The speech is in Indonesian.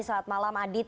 selamat malam adit